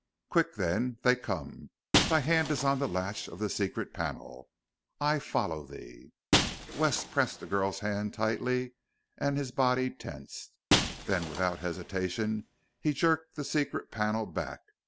Quick, then they come! Thy hand is on the latch of the secret panel. I follow thee!" Wes pressed the girl's hand tightly and his body tensed. Then, without hesitation, he jerked the secret panel back.